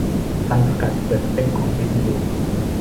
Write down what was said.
ซันประกาศจะเปิดสเปคของซีพียู